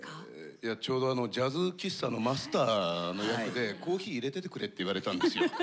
ちょうどジャズ喫茶のマスターの役でコーヒーいれててくれって言われたんですよ。